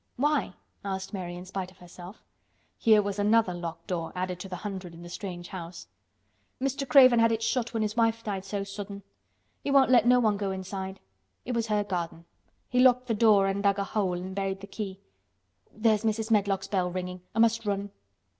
"Why?" asked Mary in spite of herself. Here was another locked door added to the hundred in the strange house. "Mr. Craven had it shut when his wife died so sudden. He won't let no one go inside. It was her garden. He locked th' door an' dug a hole and buried th' key. There's Mrs. Medlock's bell ringing—I must run."